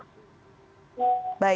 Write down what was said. terima kasih pak budi